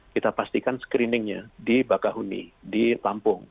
kita pastikan screeningnya di bakahuni di lampung